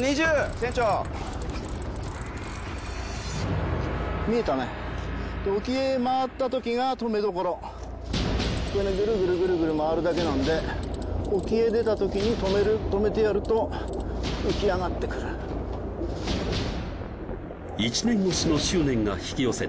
船長見えたねで沖へ回ったときが止めどころこれねグルグルグルグル回るだけなんで沖へ出たときに止める止めてやると浮き上がってくる一年越しの執念が引き寄せた